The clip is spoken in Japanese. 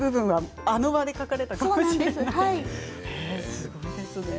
すごいですね。